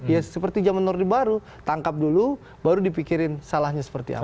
ya seperti zaman nordi baru tangkap dulu baru dipikirin salahnya seperti apa